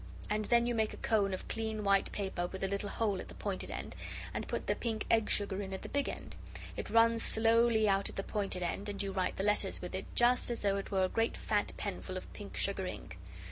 And then you make a cone of clean, white paper with a little hole at the pointed end, and put the pink egg sugar in at the big end. It runs slowly out at the pointed end, and you write the letters with it just as though it were a great fat pen full of pink sugar ink.